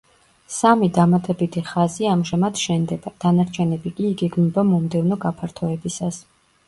სამი დამატებითი ხაზი ამჟამად შენდება, დანარჩენები კი იგეგმება მომდევნო გაფართოებისას.